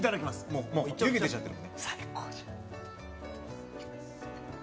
もう湯気出ちゃってる。